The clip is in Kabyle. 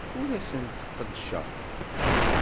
Ur asent-d-qeddceɣ.